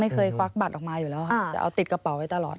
เคยควักบัตรออกมาอยู่แล้วค่ะจะเอาติดกระเป๋าไว้ตลอด